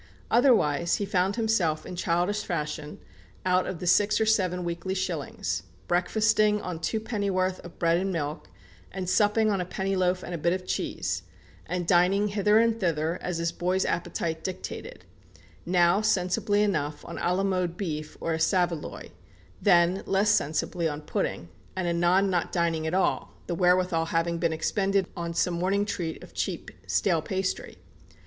Otherwise, he "found himself," in childish fashion, out of the six or seven weekly shillings, breakfasting on two pennyworth of bread and milk, and supping on a penny loaf and a bit of cheese, and dining hither and thither, as his boy's appetite dictated now, sensibly enough, on à la mode beef or a saveloy; then, less sensibly, on pudding; and anon not dining at all, the wherewithal having been expended on some morning treat of cheap stale pastry.